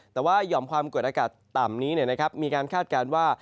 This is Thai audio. แต่ว่าหย่อมความกดอากาศต่ำนี้มีการคาดการณ์ว่า